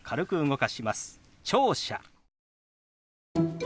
「聴者」。